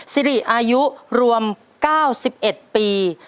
สิริอายุรวม๙๑ปี